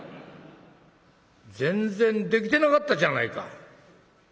全然できてなかったじゃないか」。